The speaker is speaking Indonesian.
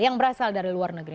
yang berasal dari luar negeri